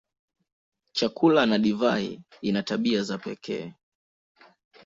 Chakula na divai ina tabia za pekee.